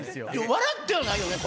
笑ってはないよね？